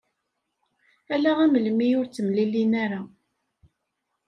Ala amlili ur ttemlilin ara.